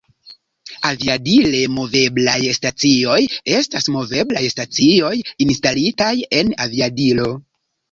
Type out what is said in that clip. Aviadile-moveblaj stacioj estas moveblaj stacioj instalitaj en aviadilo.